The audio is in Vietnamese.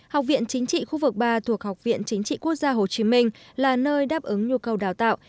học viện chính trị khu vực ba thuộc học viện chính trị quốc gia hồ chí minh là nơi đáp ứng nhu cầu đào tạo